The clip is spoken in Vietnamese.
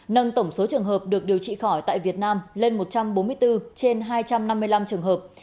nâng tổng số trường hợp được điều trị khỏi tại việt nam lên một trăm bốn mươi bốn trên hai trăm năm mươi năm trường hợp